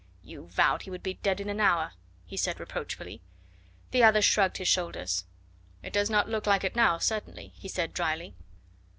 "You vowed he would be dead in an hour," he said reproachfully. The other shrugged his shoulders. "It does not look like it now certainly," he said dryly.